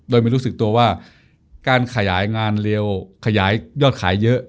โดยไม่รู้สึกตัวว่าการขยายงานเร็วขยายยอดขายเยอะ